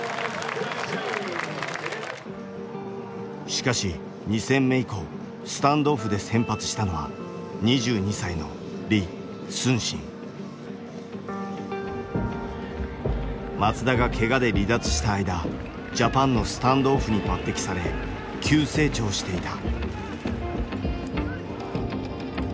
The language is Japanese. しかし２戦目以降スタンドオフで先発したのは松田がけがで離脱した間ジャパンのスタンドオフに抜てきされ急成長していた。